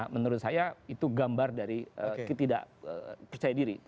menurut saya itu gambar dari ketidak percaya diri